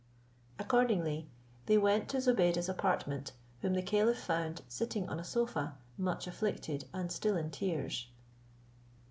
Accordingly they went to Zobeide's apartment, whom the caliph found sitting on a sofa, much afflicted, and still in tears.